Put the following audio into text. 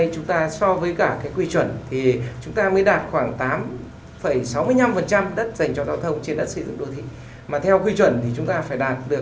chúng ta cần phải tập trung để giải quyết mấu chốt của vấn đề